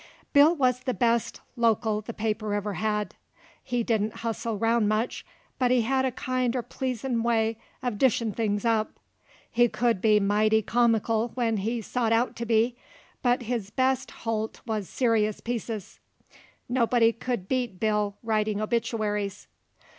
Bill wuz the best lokil the paper ever had. He didn't hustle around much, but he had a kind er pleasin' way uv dishin' things up. He c'u'd be mighty comical when he sot out to be, but his best holt was serious pieces. Nobody could beat Bill writing obituaries.